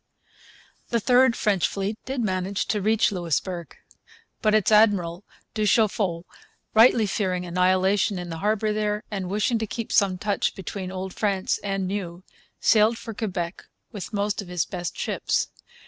The third French fleet did manage to reach Louisbourg. But its admiral, du Chaffault, rightly fearing annihilation in the harbour there, and wishing to keep some touch between Old France and New, sailed for Quebec with most of his best ships.